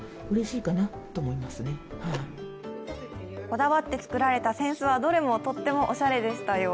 こだわって作られた扇子はどれもとってもおしゃれでしたよ。